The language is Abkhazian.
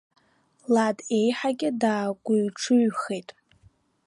Лад еиҳагьы даагәыҩҿыҩхеит.